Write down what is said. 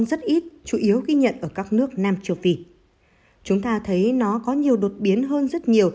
rất ít chủ yếu ghi nhận ở các nước nam châu phi chúng ta thấy nó có nhiều đột biến hơn rất nhiều